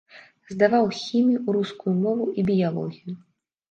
Здаваў хімію, рускую мову і біялогію.